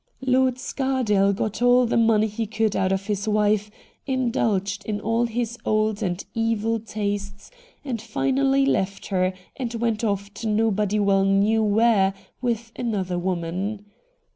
Lord Scardale got all the money he could out of his wife, indulged in all his old and evil tastes, and finally left her and went off to nobody well knew where with another woman.